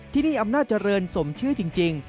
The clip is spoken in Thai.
ที่นี่อำนาจเจริญสมชื่อจริง